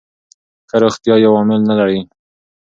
ښه روغتیا یو عامل نه لري.